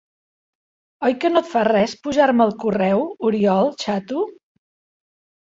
Oi que no et fa res pujar-me el correu, Oriol, xato?